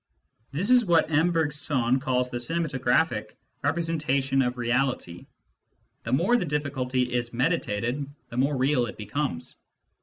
This is what M. Bergson calls the cinemato graphic representation of reality. The more the difficulty is meditated, the more real it becomes.